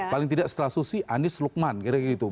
paling tidak setelah susi anies lukman kira kira gitu